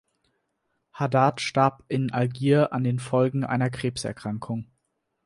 Haddad starb in Algier an den Folgen einer Krebserkrankung.